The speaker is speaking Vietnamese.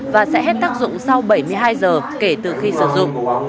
và sẽ hết tác dụng sau bảy mươi hai giờ kể từ khi sử dụng